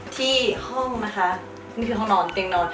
ที่ห้องนะคะนี่คือห้องนอนเตียงนอน